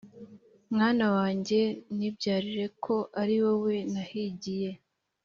mwana wanjye nibyariye Ko ari wowe nahigiye